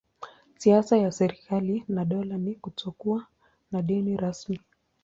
Siasa ya serikali na dola ni kutokuwa na dini rasmi.